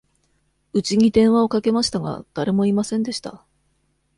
うちに電話をかけましたが、誰もいませんでした。